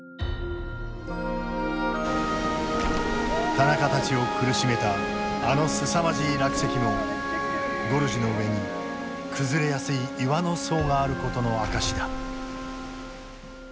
田中たちを苦しめたあのすさまじい落石もゴルジュの上に崩れやすい岩の層があることの証しだ。